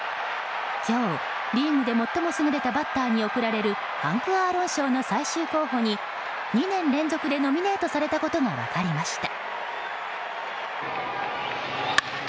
今日、リーグで最も優れたバッターに贈られるハンク・アーロン賞の最終候補に２年連続でノミネートされたことが分かりました。